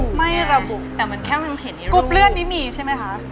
กลุ่บเลือดไม่มีใช่ไหมคะ